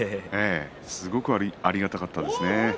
すごくありがたかったですね。